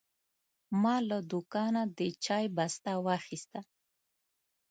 ما له دوکانه د چای بسته واخیسته.